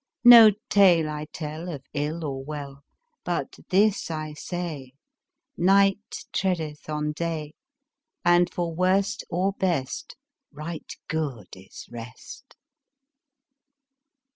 No tale I tell Of ill or well, But this I say: Night treadeth on day, And for worst or best Right good is rest.